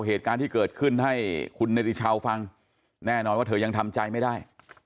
เหตุการณ์ที่เกิดขึ้นให้คุณเนติชาวฟังแน่นอนว่าเธอยังทำใจไม่ได้